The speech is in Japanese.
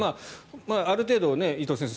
ある程度、伊藤先生